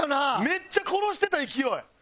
めっちゃ殺してた勢い。